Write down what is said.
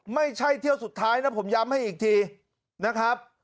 ไม่ใช่เที่ยวสุดท้ายนะผมย้ำให้อีกทีนะครับ